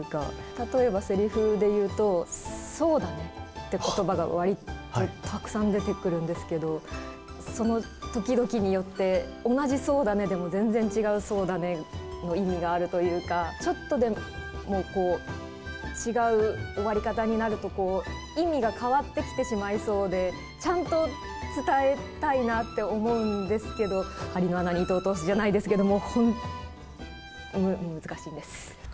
例えば、せりふでいうと、そうだねっていうことばがわりとたくさん出てくるんですけど、そのときどきによって、同じそうだねでも全然違うそうだねの意味があるというか、ちょっとでも違う終わり方になると、意味が変わってきてしまいそうで、ちゃんと伝えたいなって思うんですけど、針の穴に糸を通すじゃないですけど、本当、難しいんです。